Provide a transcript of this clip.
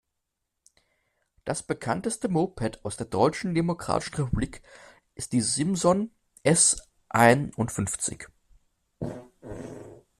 Das bekannteste Moped aus der Deutschen Demokratischen Republik ist die Simson S einundfünfzig.